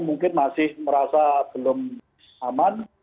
mungkin masih merasa belum aman